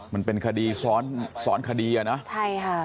มันเป็นคดีซ้อนซ้อนคดีอ่ะนะใช่ค่ะ